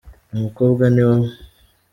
umukobwa niwowe